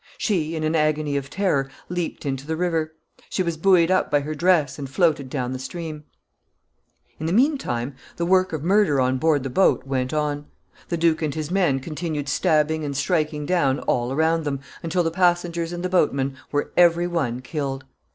She, in an agony of terror, leaped into the river. She was buoyed up by her dress, and floated down the stream. [Sidenote: Boatmen murdered.] In the mean time, the work of murder on board the boat went on. The duke and his men continued stabbing and striking down all around them, until the passengers and the boatmen were every one killed.